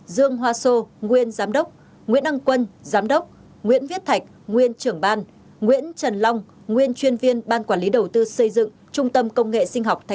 dương hoa sô nguyên giám đốc nguyễn đăng quân giám đốc nguyễn viết thạch nguyên trưởng ban nguyễn trần long nguyên chuyên viên ban quản lý đầu tư xây dựng trung tâm công nghệ sinh học tp hcm